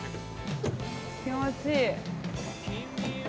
気持ちいい。